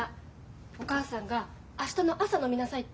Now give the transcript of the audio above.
お母さんが明日の朝飲みなさいって。